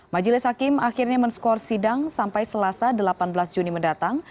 majelis hakim akhirnya men skor sidang sampai selasa delapan belas juni mendatang